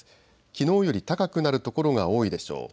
きのうより高くなる所が多いでしょう。